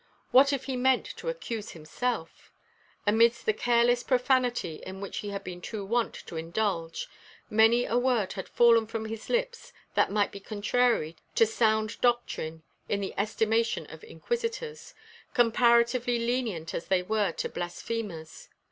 What if he meant to accuse himself. Amidst the careless profanity in which he had been too wont to indulge, many a word had fallen from his lips that might be contrary to sound doctrine in the estimation of Inquisitors, comparatively lenient as they were to blasphemers.